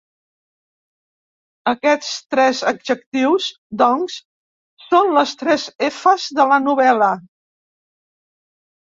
Aquests tres adjectius, doncs, són les tres efes de la novel·la.